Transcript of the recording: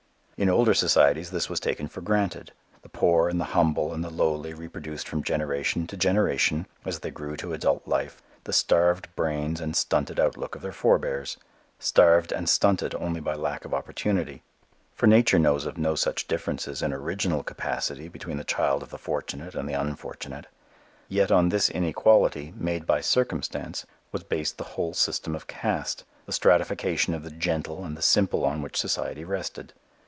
In older societies this was taken for granted: the poor and the humble and the lowly reproduced from generation to generation, as they grew to adult life, the starved brains and stunted outlook of their forbears, starved and stunted only by lack of opportunity. For nature knows of no such differences in original capacity between the children of the fortunate and the unfortunate. Yet on this inequality, made by circumstance, was based the whole system of caste, the stratification of the gentle and the simple on which society rested.